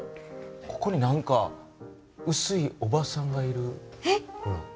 ここに何かうすいおばさんがいる。